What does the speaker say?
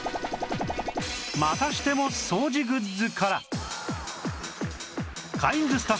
またしても掃除グッズから